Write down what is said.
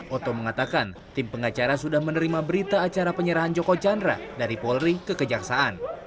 oto mengatakan tim pengacara sudah menerima berita acara penyerahan joko chandra dari polri ke kejaksaan